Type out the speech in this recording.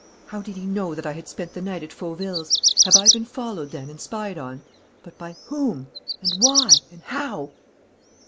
How did he know that I had spent the night at Fauville's? Have I been followed then and spied on? But by whom? And why? And how?"